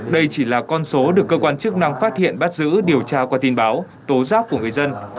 đây chỉ là con số được cơ quan chức năng phát hiện bắt giữ điều tra qua tin báo tố giác của người dân